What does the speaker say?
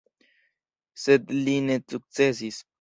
Sed li ne sukcesis.